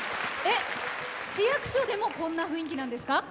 市役所でもこんな雰囲気なんですか？